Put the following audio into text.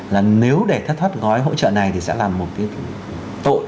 là nếu để thất thoát gói hỗ trợ này thì sẽ là một cái tội